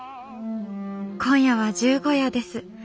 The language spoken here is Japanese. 今夜は十五夜です。